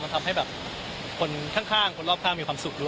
ทำให้แบบคนข้างคนรอบข้างมีความสุขด้วย